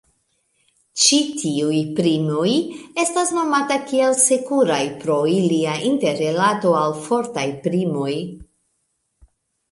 Ĉi tiuj primoj estas nomata kiel "sekuraj" pro ilia interrilato al fortaj primoj.